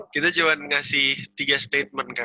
kita cuma ngasih tiga statement kak